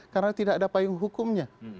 karena tidak ada payung hukumnya